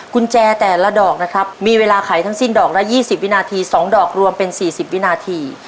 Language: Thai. กุญแจแต่ละดอกนะครับมีเวลาไขทั้งสิ้นดอกละ๒๐วินาที๒ดอกรวมเป็น๔๐วินาที